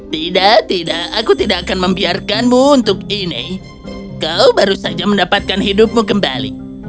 tidak tidak aku tidak akan membiarkanmu untuk ini kau baru saja mendapatkan hidupmu kembali